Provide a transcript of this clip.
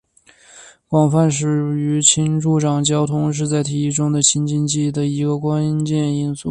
广泛使用氢助长交通是在提议中的氢经济的一个关键因素。